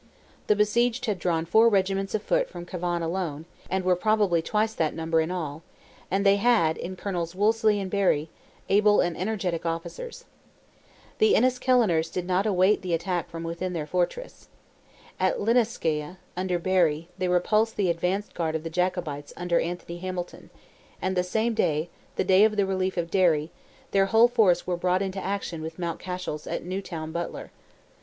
The besieged had drawn four regiments of foot from Cavan alone, and were probably twice that number in all; and they had, in Colonels Wolseley and Berry, able and energetic officers. The Enniskilleners did not await the attack within their fortress. At Lisnaskea, under Berry, they repulsed the advanced guard of the Jacobites under Anthony Hamilton; and the same day—the day of the relief of Derry—their whole force were brought into action with Mountcashel's at Newtown Butler.